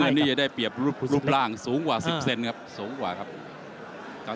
ไฟล์น้ำเงินจะได้เปรียบรูปร่างสูงกว่า๑๐เซ็นต์ครับ